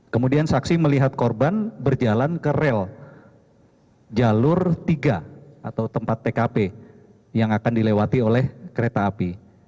kemudian saksi melihat korban berjalan ke rel jalur tiga atau tempat tkp yang akan dilewati oleh kereta api